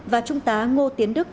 và trung tá ngô tiến đức